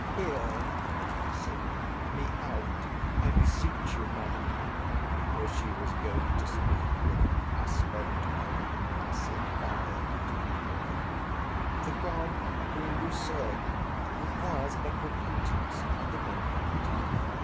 Hear me out, I beseech you, Madam; for she was going to speak with an aspect unpacifiedly angry: the God, whom you serve, requires but repentance and amendment.